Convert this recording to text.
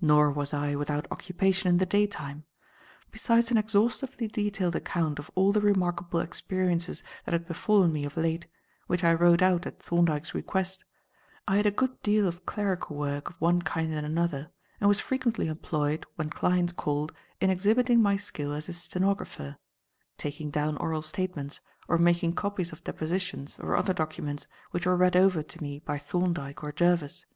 Nor was I without occupation in the daytime. Besides an exhaustively detailed account of all the remarkable experiences that had befallen me of late which I wrote out at Thorndyke's request, I had a good deal of clerical work of one kind and another, and was frequently employed, when clients called, in exhibiting my skill as a stenographer; taking down oral statements, or making copies of depositions or other documents which were read over to me by Thorndyke or Jervis.